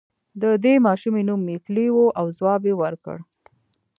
د دې ماشومې نوم ميکلي و او ځواب يې ورکړ.